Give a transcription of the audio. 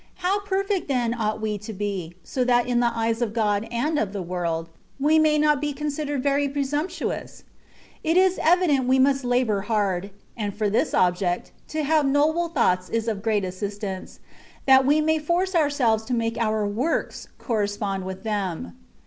How perfect then ought we to be, so that in the eyes of God and of the world we may not be considered very pre sumptuous ? It is evident we must labour hard ; and for this object, to have noble thoughts is of great assistance, that we may force oiirselves to make our works correspond with them.